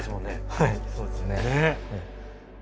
はいそうですね。